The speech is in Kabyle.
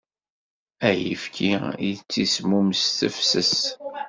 Ayefki yettismum s tefses.